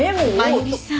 真由美さん。